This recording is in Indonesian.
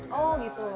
dalam kerajaan gitu